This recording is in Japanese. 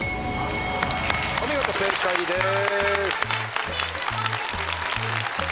お見事正解です。